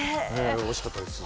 おいしかったです。